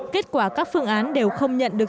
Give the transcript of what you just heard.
kết quả các phương án đều không nhận được